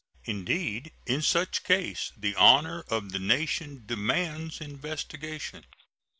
Indeed, in such case the honor of the nation demands investigation.